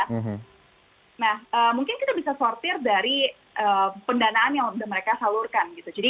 nah mungkin kita bisa sortir dari pendanaan yang sudah mereka salurkan gitu